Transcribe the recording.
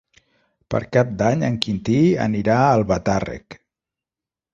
Per Cap d'Any en Quintí anirà a Albatàrrec.